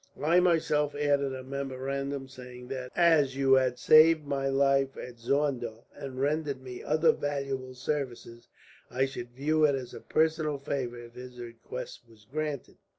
I myself added a memorandum saying that, as you had saved my life at Zorndorf, and rendered me other valuable services, I should view it as a personal favour if his request was granted.